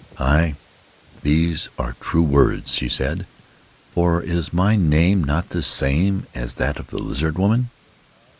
44 Aye, those are true words," she said; "for is my name not the same as that of the Lizard Woman?